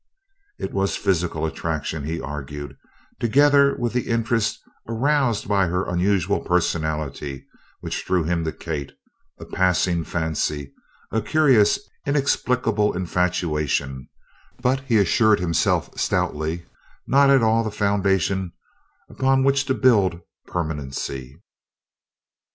It was physical attraction, he argued, together with the interest aroused by her unusual personality, which drew him to Kate a passing fancy, a curious, inexplicable infatuation; but, he assured himself stoutly, not at all the foundation upon which to build for permanency.